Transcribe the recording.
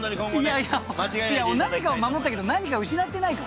いや何かを守ったけど何かを失ってないか？